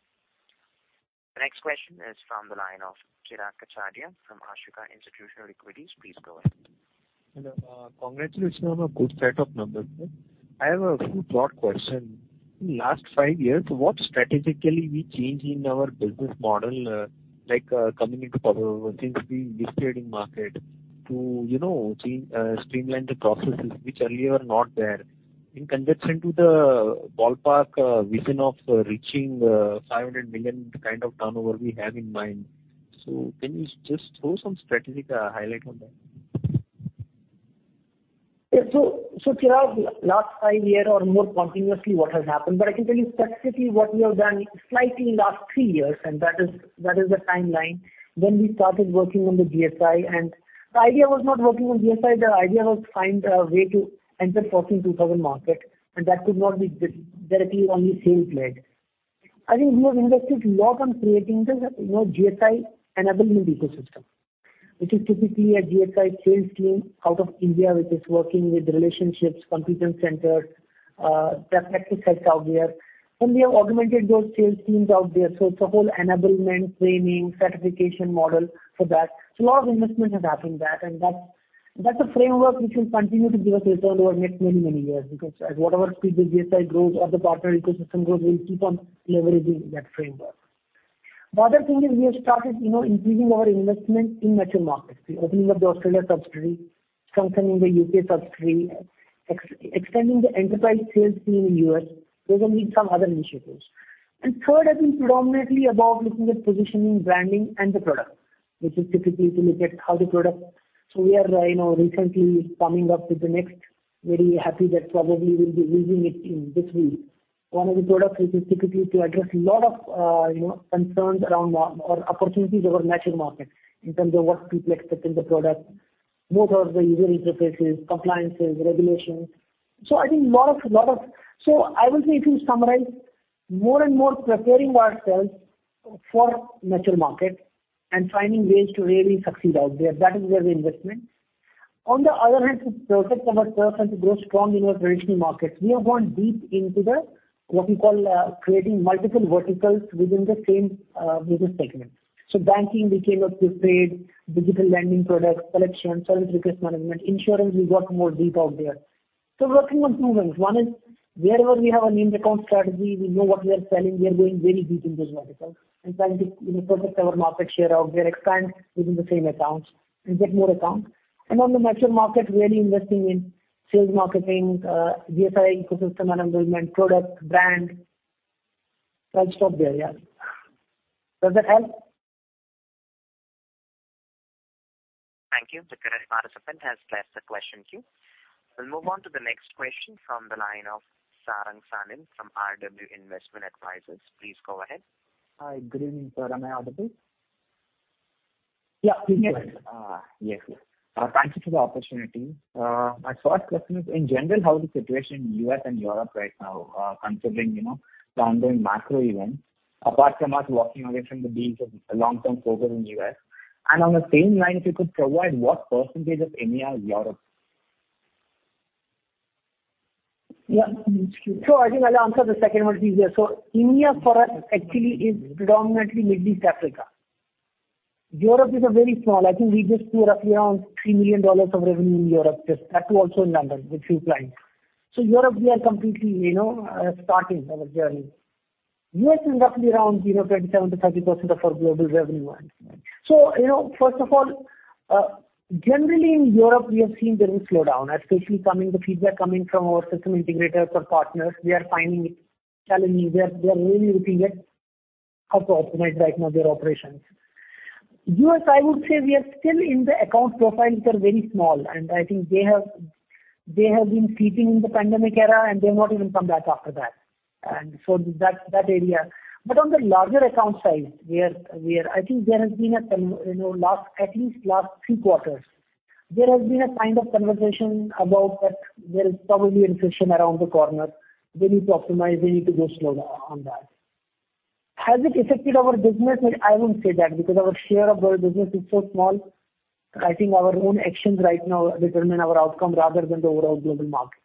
The next question is from the line of Chirag Kachhadiya from Ashika Institutional Equities. Please go ahead. Hello. Congratulations on a good set of numbers, sir. I have a few broad question. In last five years, what strategically we change in our business model, like, coming into power since we listed in market to, you know, change, streamline the processes which earlier were not there. In comparison to the ballpark vision of reaching 500 million kind of turnover we have in mind. Can you just throw some strategic highlight on that? Chirag, last five year or more continuously what has happened, but I can tell you specifically what we have done slightly in last three years and that is the timeline when we started working on the GSI. The idea was not working on GSI, the idea was to find a way to enter Fortune Global 2,000 market and that could not be just directly only sales led. I think we have invested a lot on creating the, you know, GSI enablement ecosystem, which is typically a GSI sales team out of India which is working with relationships, competence centers, practice sets out there. We have augmented those sales teams out there. It's a whole enablement, training, certification model for that. Lot of investment has happened there and that's a framework which will continue to give us return over next many, many years because at whatever speed the GSI grows or the partner ecosystem grows, we'll keep on leveraging that framework. The other thing is we have started, you know, increasing our investment in mature markets. We're opening up the Australia subsidiary, strengthening the UK subsidiary, extending the enterprise sales team in US. Those are some other initiatives. Third has been predominantly about looking at positioning, branding and the product which is typically to look at how the product... We are, you know, recently coming up with the next very happy that probably we'll be releasing it in this week. One of the products which is typically to address lot of, you know, concerns around or opportunities over mature markets in terms of what people expect in the productBoth are the user interfaces, compliances, regulations. I think lot of... I would say if you summarize, more and more preparing ourselves for mature market and finding ways to really succeed out there, that is where the investment. On the other hand, to protect ourselves and to grow strong in our traditional markets, we have gone deep into the, what you call, creating multiple verticals within the same, business segment. Banking, we came up with paid digital lending products, collections, service request management. Insurance, we got more deep out there. Working on two wings. One is wherever we have a named account strategy, we know what we are selling, we are going very deep in those verticals and trying to, you know, protect our market share out there, expand within the same accounts and get more accounts. On the mature market, really investing in sales, marketing, GSI ecosystem enablement, product, brand. I'll stop there. Yeah. Does that help? Thank you. The current participant has left the question queue. We'll move on to the next question from the line of Sarang Sanil from RW Investment Advisors. Please go ahead. Hi, good evening, sir. Am I audible? Yeah. Please go ahead. Yes. Thank you for the opportunity. My first question is, in general, how is the situation in U.S. and Europe right now, considering, you know, the ongoing macro events, apart from us walking away from the deals of long-term focus in U.S.? On the same line, if you could provide what % of EMEA is Europe? Yeah. I think I'll answer the second one easier. EMEA for us actually is predominantly Middle East, Africa. Europe is a very small. I think we just do roughly around $3 million of revenue in Europe. Just that too also in London, with few clients. Europe, we are completely, you know, starting our journey. US is roughly around, you know, 27%-30% of our global revenue. You know, first of all, generally in Europe, we have seen very slow down, especially the feedback coming from our system integrators or partners. We are finding it challenging. We are really looking at how to optimize right now their operations. U.S., I would say we are still in the account profiles are very small, and I think they have been seizing the pandemic era and they've not even come back after that. That's that area. On the larger account size, we are, I think there has been a you know, last, at least last three quarters, there has been a kind of conversation about that there is probably inflation around the corner. They need to optimize, they need to go slow on that. Has it affected our business? Like, I wouldn't say that because our share of our business is so small. I think our own actions right now determine our outcome rather than the overall global market.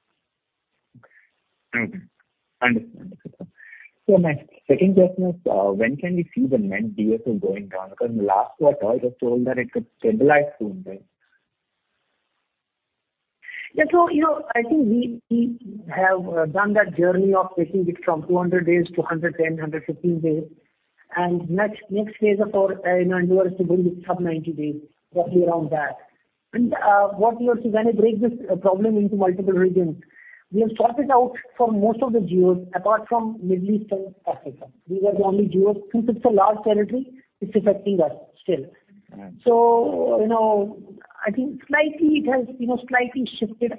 Mm-hmm. Understood. My second question is, when can we see the net DSO going down? In the last quarter, you had told that it could stabilize soon, right? Yeah, you know, I think we have done that journey of taking it from 200 days to 110, 115 days. Next phase of our, you know, endeavor is to build it sub-90 days, roughly around that. What you'll see, when you break this problem into multiple regions, we have sorted out for most of the geos apart from Middle East and Africa. These are the only geos. Since it's a large territory, it's affecting us still. Right. you know, I think slightly it has, you know, slightly shifted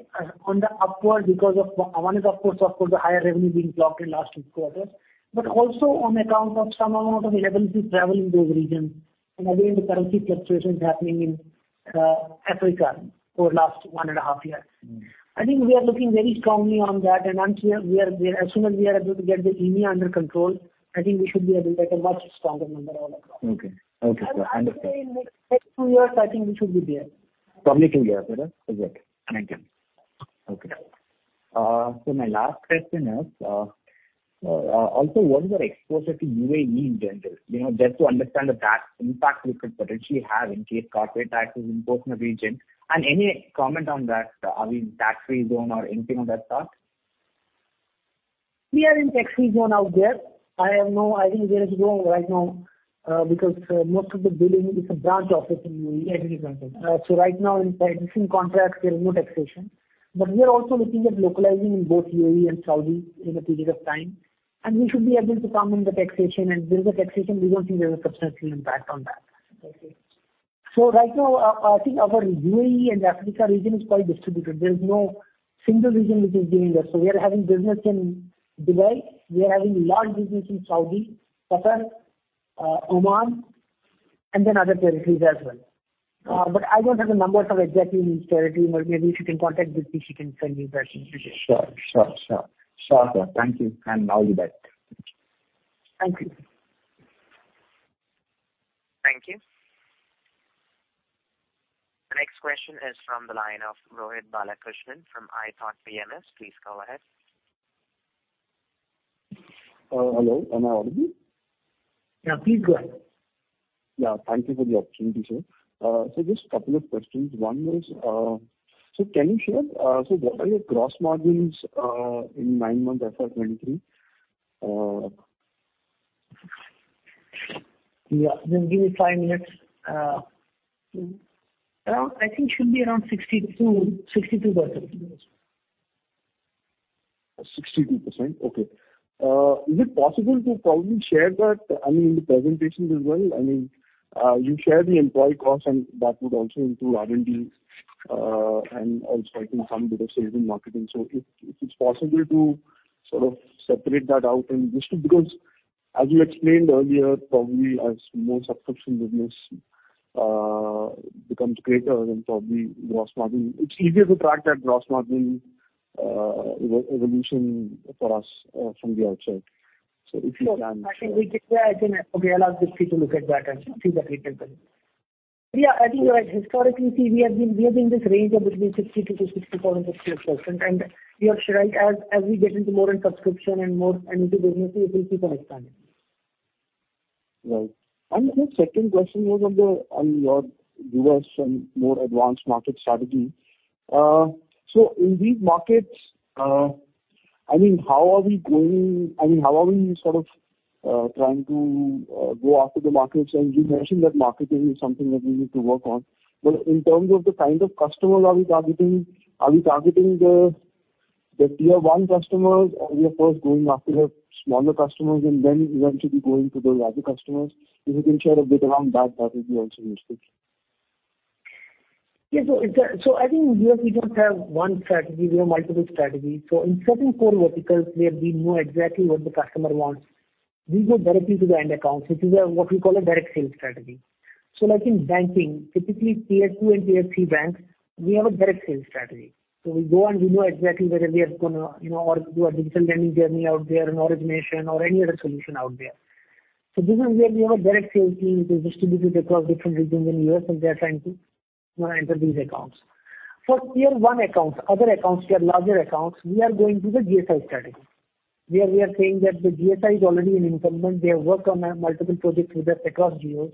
on the upward because of one is of course, the higher revenue being clocked in last 2 quarters. Also on account of some amount of inability to travel in those regions and again, the currency fluctuations happening in Africa for last one and a half years. Mm-hmm. I think we are looking very strongly on that. Once we are there, as soon as we are able to get the EMEA under control, I think we should be able to get a much stronger number all across. Okay. Okay, sir. Understood. I would say in next 2 years, I think we should be there. Probably two years, is it? Okay. Thank you. Okay. My last question is, also what is our exposure to UAE in general? You know, just to understand the tax impact we could potentially have in case corporate tax is imposed in the region, and any comment on that, are we in tax-free zone or anything on that front? We are in tax-free zone out there. I think there is no right now, because most of the billing is a branch office in UAE. Right now in practicing contracts, there is no taxation. We are also looking at localizing in both UAE and Saudi in a period of time, and we should be able to come in the taxation. There is a taxation, we don't see there is a substantial impact on that. Okay. Right now, I think our UAE and Africa region is quite distributed. There is no single region which is giving us. We are having business in Dubai. We are having large business in Saudi, Qatar, Oman, and then other territories as well. But I don't have the numbers of exactly in each territory. Maybe if you can contact Deepti, she can send you that presentation. Sure. Sure. Sure. Sure, sure. Thank you. I'll do that. Thank you. Thank you. The next question is from the line of Rohit Balakrishnan from iThought PMS. Please go ahead. Hello. Am I audible? Yeah, please go ahead. Thank you for the opportunity, sir. Just couple of questions. One is, can you share, what are your gross margins, in nine months FY 2023? Yeah. Just give me five minutes. I think should be around 62%. 62%. Okay. is it possible to probably share that, I mean, in the presentations as well? I mean, you share the employee costs and that would also include R&D, and also I think some bit of sales and marketing. If it's possible to sort of separate that out and as you explained earlier, probably as more subscription business becomes greater than probably gross margin. It's easier to track that gross margin, evo-evolution for us, from the outside. If you can- Sure. I think we can. Yeah, I think. Okay, I'll ask the team to look at that and see if we can do it. Yeah, I think you're right. Historically, see, we have been this range of between 62%-64% and 68%. You are right. As we get into more in subscription and more into business, it will keep on expanding. Right. My second question was on your U.S. and more advanced market strategy. In these markets, I mean, how are we sort of trying to go after the markets? You mentioned that marketing is something that we need to work on. In terms of the kind of customers are we targeting, are we targeting the tier one customers? Are we, of course, going after the smaller customers and then eventually going to those larger customers? If you can share a bit around that would be also useful. Yeah. I think we don't have one strategy, we have multiple strategies. In certain core verticals where we know exactly what the customer wants, we go directly to the end accounts, which is what we call a direct sales strategy. Like in banking, typically tier 2 and tier 3 banks, we have a direct sales strategy. We go and we know exactly whether we are gonna, you know, do a digital lending journey out there, an origination or any other solution out there. This is where we have a direct sales team which is distributed across different regions in U.S., and they're trying to, you know, enter these accounts. For tier 1 accounts, other accounts which are larger accounts, we are going through the GSI strategy. Where we are saying that the GSI is already an incumbent. They have worked on multiple projects with us across geos.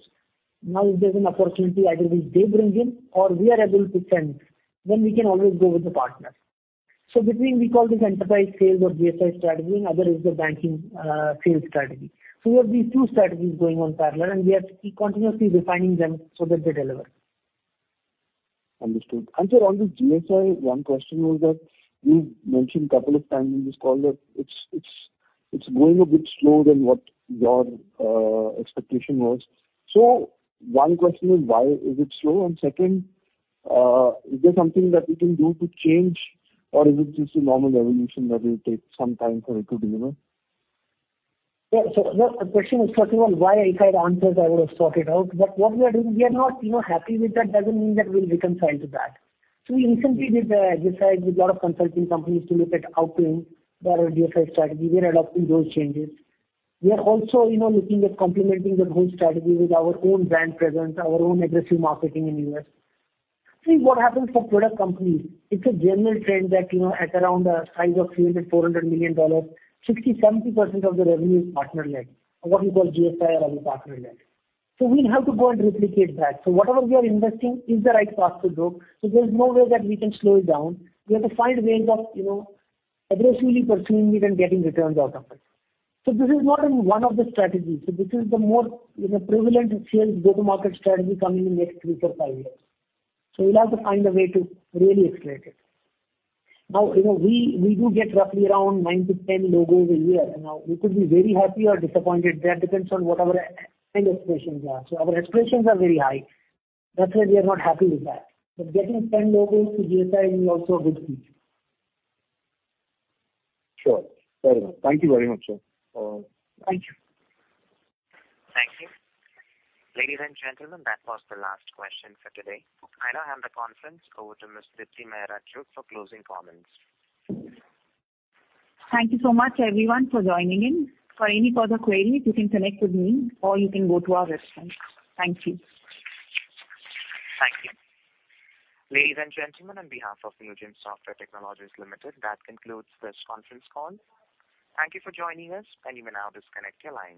If there's an opportunity, either which they bring in or we are able to send, then we can always go with the partner. We call this enterprise sales or GSI strategy, and other is the banking sales strategy. We have these two strategies going on parallel, and we are continuously refining them so that they deliver. Understood. Sir, on this GSI, one question was that you've mentioned couple of times in this call that it's going a bit slow than what your expectation was. One question is why is it slow? Second, is there something that we can do to change or is it just a normal evolution that will take some time for it to deliver? The, the question is first of all, why I had answers I would have sorted out. What we are doing, we are not, you know, happy with that. Doesn't mean that we'll reconcile to that. We instantly decided with lot of consulting companies to look at how to improve our GSI strategy. We are adopting those changes. We are also, you know, looking at complementing the whole strategy with our own brand presence, our own aggressive marketing in U.S. See what happens for product companies, it's a general trend that, you know, at around size of $300 million-$400 million, 60%-70% of the revenue is partner-led, or what we call GSI or other partner-led. We'll have to go and replicate that. Whatever we are investing is the right path to go. There's no way that we can slow it down. We have to find ways of, you know, aggressively pursuing it and getting returns out of it. This is not in one of the strategies. This is the more, you know, prevalent sales go-to-market strategy coming in next three to five years. We'll have to find a way to really accelerate it. You know, we do get roughly around nine to 10 logos a year. We could be very happy or disappointed. That depends on what our end expectations are. Our expectations are very high. That's why we are not happy with that. Getting 10 logos to GSI is also a good thing. Sure. Very well. Thank you very much, sir. Thank you. Thank you. Ladies and gentlemen, that was the last question for today. I now hand the conference over to Ms. Deepti Mehra Chugh for closing comments. Thank you so much everyone for joining in. For any further queries, you can connect with me or you can go to our website. Thank you. Thank you. Ladies and gentlemen, on behalf of Newgen Software Technologies Limited, that concludes this conference call. Thank you for joining us and you may now disconnect your lines.